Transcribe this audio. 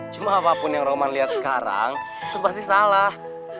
cuma apapun yang roman lihat sekarang itu pasti salah